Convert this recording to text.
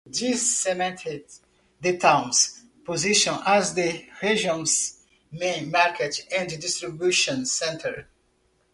This cemented the town's position as the region's main market and distribution centre.